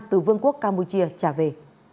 từ vương quốc campuchia trả về